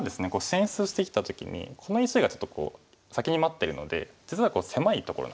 進出してきた時にこの石がちょっと先に待ってるので実は狭いところなんですよね。